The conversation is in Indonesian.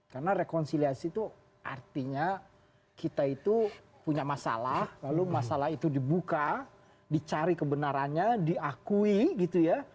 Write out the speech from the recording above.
karena rekonsiliasi itu artinya kita itu punya masalah lalu masalah itu dibuka dicari kebenarannya diakui gitu ya